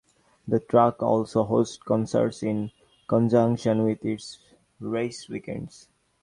The track also hosts concerts in conjunction with its race weekends.